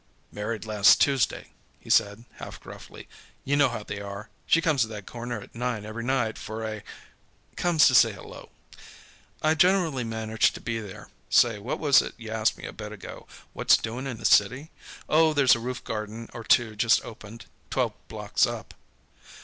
"Married last Tuesday," he said, half gruffly. "You know how they are. She comes to that corner at nine every night for a comes to say 'hello!' I generally manage to be there. Say, what was it you asked me a bit ago what's doing in the city? Oh, there's a roof garden or two just opened, twelve blocks up."